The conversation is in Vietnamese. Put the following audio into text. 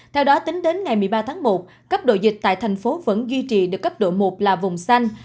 theo đó tính đến ngày một mươi ba tháng một cấp độ dịch tại thành phố vẫn duy trì được cấp độ một là vùng xanh